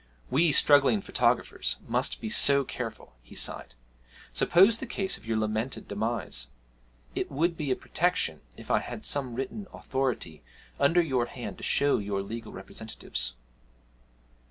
'We struggling photographers must be so careful,' he sighed. 'Suppose the case of your lamented demise it would be a protection if I had some written authority under your hand to show your legal representatives.'